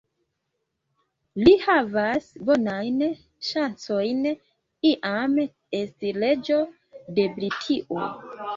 Li havas bonajn ŝancojn iam esti reĝo de Britio.